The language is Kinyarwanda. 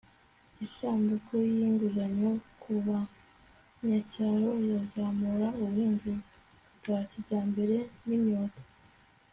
isanduku y'inguzanyo ku banyacyaro (yazamura ubuhinzi bwa kijyambere n'imyuga